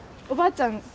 おばあちゃん。